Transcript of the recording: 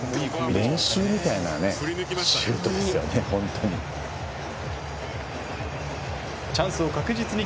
練習みたいなシュートですよね、本当に。